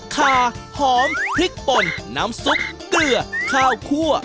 ขาหอมพริกป่นน้ำซุปเกลือข้าวคั่ว